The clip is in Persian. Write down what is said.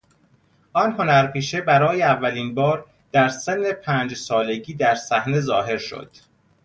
آن هنرپیشه برای اولین بار در سن پنج سالگی در صحنه ظاهر شد.